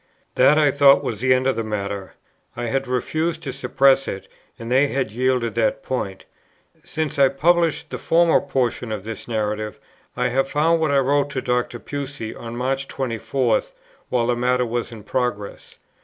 That I thought was the end of the matter. I had refused to suppress it, and they had yielded that point. Since I published the former portions of this Narrative, I have found what I wrote to Dr. Pusey on March 24, while the matter was in progress.